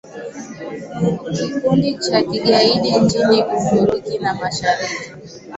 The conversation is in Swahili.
kikundi cha kigaidi nchini Uturuki na mashirika